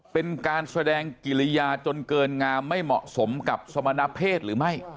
เป็นการแสดงกิริยาจนเกินงามไม่เหมาะสมกับสมณเพศหรือไม่